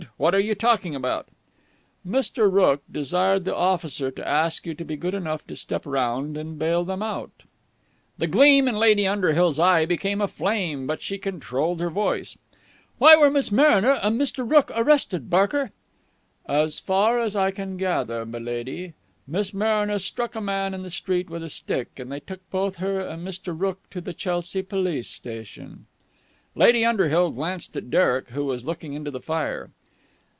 What are you talking about?" "Mr. Rooke desired the officer to ask you to be good enough to step round and bail them out!" The gleam in Lady Underhill's eye became a flame, but she controlled her voice. "Why were Miss Mariner and Mr. Rooke arrested, Barker?" "As far as I can gather, m'lady, Miss Mariner struck a man in the street with a stick, and they took both her and Mr. Rooke to the Chelsea Police Station." Lady Underhill glanced at Derek, who was looking into the fire.